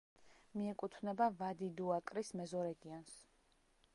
მიეკუთვნება ვადი-დუ-აკრის მეზორეგიონს.